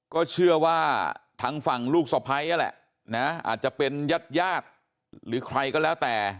ก็เชื่อว่าทางฝั่งลูกสะพ้ายนั่นแหละนะอาจจะเป็นญาติญาติหรือใครก็แล้วแต่